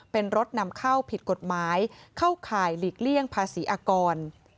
เป็นรถนำเข้าผิดกฎหมายเข้าข่ายหลีกเลี่ยงภาษีอากร